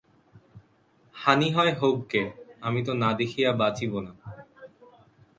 হানি হয় হউক গে, আমি তো না দেখিয়া বাঁচিব না।